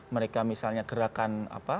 mereka misalnya gerakan